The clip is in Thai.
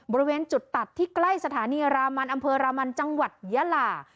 บริเวณจุดตัดที่ใกล้สถานีรามันอำเภอรามันจังหวัดยาลา